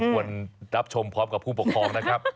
ควรรับชมพร้อมกับผู้ปกครองนะครับ